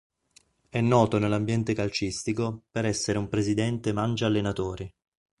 È noto nell'ambiente calcistico per essere un presidente "mangia allenatori".